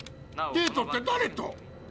デートってだれと？